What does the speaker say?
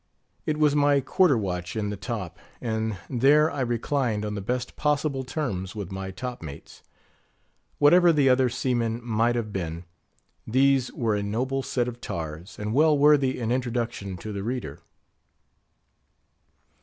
It was my Quarter Watch in the top; and there I reclined on the best possible terms with my top mates. Whatever the other seamen might have been, these were a noble set of tars, and well worthy an introduction to the reader.